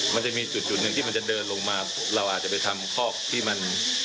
มันจะมีจุดจุดหนึ่งที่มันจะเดินลงมาเราอาจจะไปทำคอกที่มัน